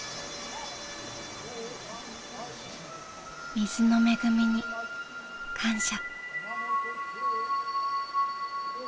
水の恵みに感謝。